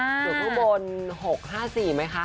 ส่วนข้างบน๖๕๔ไหมคะ